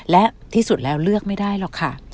และที่สุดแล้วเลือกไม่ได้หรอกค่ะ